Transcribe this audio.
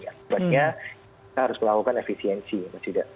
artinya kita harus melakukan efisiensi mas ida